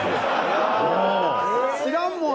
知らんもん